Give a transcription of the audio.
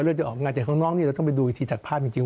ก็เลือดจะออกง่ายแต่ของน้องนี่เราต้องไปดูอีกทีจากภาพจริง